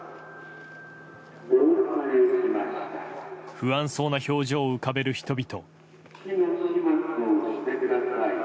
不安そうな表情を浮かべる人々。